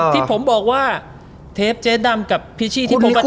ที่ผมบอกว่าเทปเจ๊ดำกับพิชีที่ผมประทับใจ